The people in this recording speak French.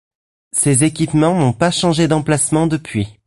Ces équipements n'ont pas changé d'emplacement depuis.